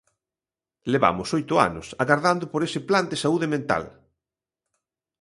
Levamos oito anos agardando por ese plan de saúde mental.